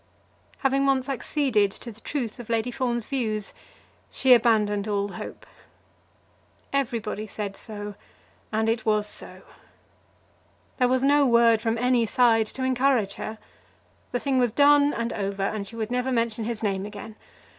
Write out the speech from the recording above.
Having once acceded to the truth of Lady Fawn's views, she abandoned all hope. Everybody said so, and it was so. There was no word from any side to encourage her. The thing was done and over, and she would never mention his name again.